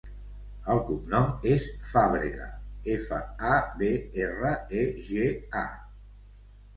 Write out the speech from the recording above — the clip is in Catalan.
El cognom és Fabrega: efa, a, be, erra, e, ge, a.